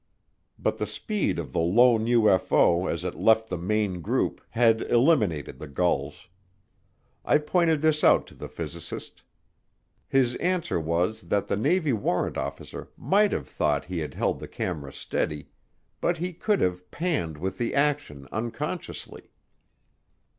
But the speed of the lone UFO as it left the main group had eliminated the gulls. I pointed this out to the physicist. His answer was that the Navy warrant officer might have thought he had held the camera steady, but he could have "panned with the action" unconsciously.